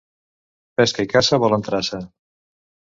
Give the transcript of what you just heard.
Pesca i caça volen traça.